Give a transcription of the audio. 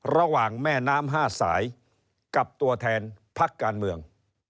ระหว่างแม่น้ำ๕สายกับตัวแทนพักการเมือง